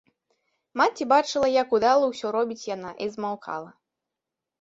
Маці бачыла, як удала ўсё робіць яна, і змаўкала.